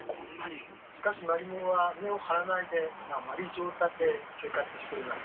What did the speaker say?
しかしマリモは根を張らないで丸い状態で生活しています。